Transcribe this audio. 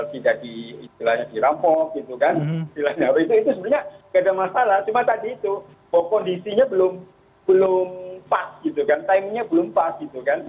tidak di istilahnya dirampok gitu kan istilahnya itu sebenarnya tidak ada masalah cuma tadi itu kondisinya belum pas gitu kan timenya belum pas gitu kan